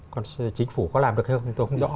còn chính phủ có làm được hay không tôi không rõ